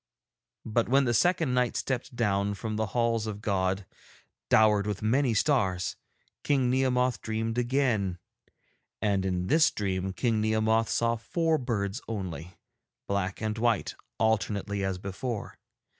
But when the second night stepped down from the halls of God, dowered with many stars, King Nehemoth dreamed again; and in this dream King Nehemoth saw four birds only, black and white alternately as before.